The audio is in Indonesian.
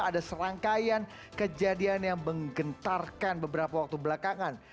ada serangkaian kejadian yang menggentarkan beberapa waktu belakangan